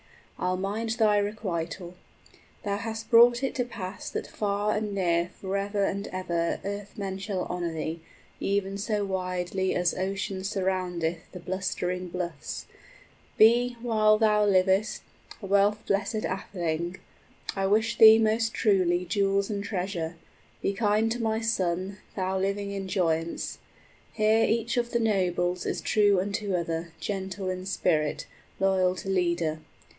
I'll mind thy requital. 30 Thou hast brought it to pass that far and near Forever and ever earthmen shall honor thee, Even so widely as ocean surroundeth The blustering bluffs. Be, while thou livest, A wealth blessèd atheling. I wish thee most truly {May gifts never fail thee.} 35 Jewels and treasure. Be kind to my son, thou Living in joyance! Here each of the nobles Is true unto other, gentle in spirit, Loyal to leader.